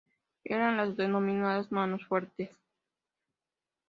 Eran las denominadas "manos muertas".